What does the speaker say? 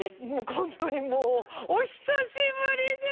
本当にもうお久しぶりです！